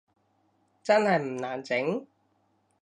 真係唔難整？